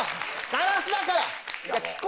ガラスだから。